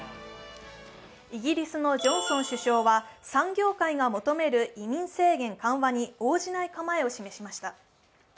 イギリスのジョンソン首相は、産業界の求める移民制限緩和に応じない構えを示しました。